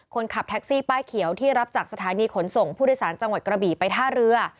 คนขับแท็กซี่ป้ายเขียวที่รับจากสถานีขนส่งผู้โดยสารจังหวัดกระบี่ไปท่าเรือ